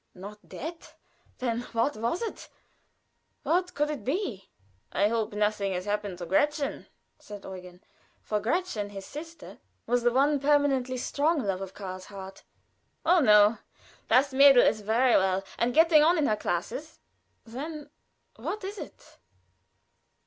Not debt? Then what was it, what could it be? "I hope nothing has happened to Gretchen," suggested Eugen, for Gretchen, his sister, was the one permanently strong love of Karl's heart. "Oh, no! Das Mädel is very well, and getting on in her classes." "Then what is it?"